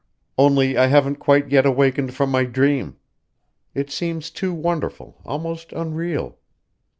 "Only I haven't quite yet awakened from my dream. It seems too wonderful, almost unreal.